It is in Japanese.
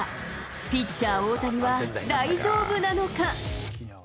ピッチャー、大谷は大丈夫なのか。